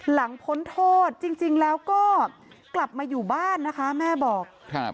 พ้นโทษจริงจริงแล้วก็กลับมาอยู่บ้านนะคะแม่บอกครับ